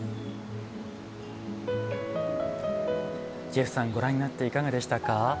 ジェフさんご覧になっていかがでしたか？